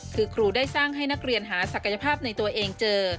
คือครูได้สร้างให้นักเรียนหาศักยภาพในตัวเองเจอ